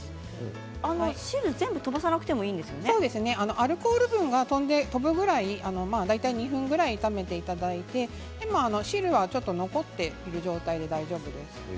アルコールが飛んで２分ぐらい炒めていただいてでもお汁は残っている状態で大丈夫です。